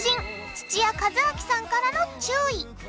土屋一昭さんからの注意！